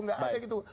tidak ada gitu